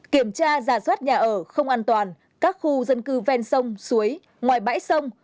kiểm tra giả soát nhà ở không an toàn các khu dân cư ven sông suối ngoài bãi sông